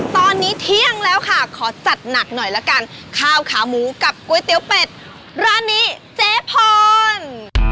ตอนนี้เที่ยงแล้วค่ะขอจัดหนักหน่อยละกันข้าวขาหมูกับก๋วยเตี๋ยวเป็ดร้านนี้เจ๊พร